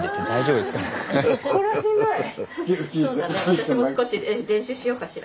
私も少し練習しようかしら。